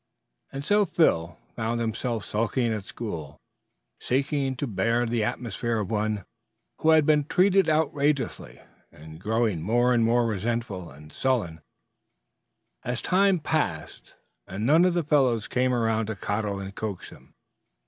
And so Phil found himself sulking at school, seeking to bear the atmosphere of one who had been treated outrageously, and growing more and more resentful and sullen as time passed and none of the fellows came around to coddle and coax him.